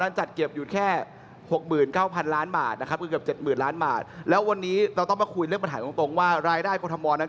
วันนี้กางภาษามอล์เป็นเมืองการท